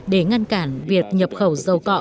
để ngăn cản việc nhập khẩu dầu cọ